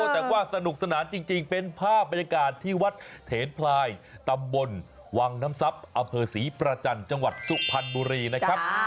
แต่ว่าสนุกสนานจริงเป็นภาพบรรยากาศที่วัดเถนพลายตำบลวังน้ำทรัพย์อำเภอศรีประจันทร์จังหวัดสุพรรณบุรีนะครับ